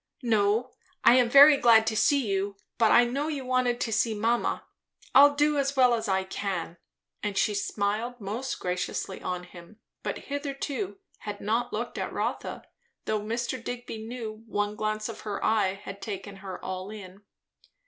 No, I am very glad to see you; but I know you wanted to see mamma. I'll do as well as I can." And she smiled most graciously on him, but hitherto had not looked at Rotha, though Mr. Digby knew one glance of her eye had taken her all in.